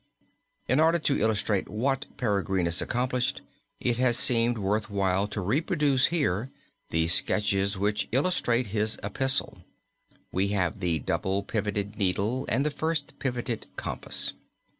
In order to illustrate what Peregrinus accomplished it has seemed worth while to reproduce here the sketches which illustrate his epistle. We have the double pivoted needle and the first pivoted compass.